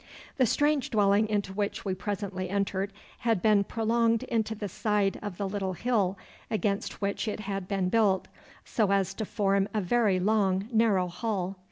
The strange dwelling into which we presently entered had been prolonged into the side of the little hill against which it had been built, so as to form a very long narrow hall.